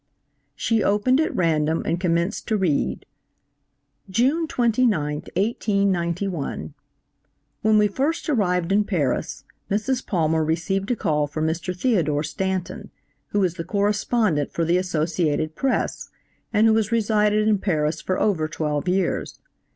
She opened at random and commenced to read "June 29, 1891. When we first arrived in Paris Mrs. Palmer received a call from Mr. Theodore Stanton, who is the correspondent for the Associated Press, and who has resided in Paris for over twelve years.